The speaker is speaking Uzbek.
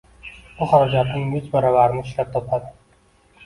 Bu xarajatning yuz baravarini ishlab topadi.